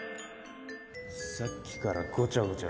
さっきからごちゃごちゃ